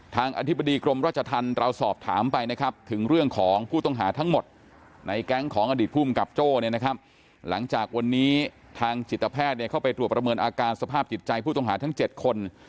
อธิบดีกรมราชธรรมเราสอบถามไปนะครับถึงเรื่องของผู้ต้องหาทั้งหมดในแก๊งของอดีตภูมิกับโจ้เนี่ยนะครับหลังจากวันนี้ทางจิตแพทย์เข้าไปตรวจประเมินอาการสภาพจิตใจผู้ต้องหาทั้ง๗คน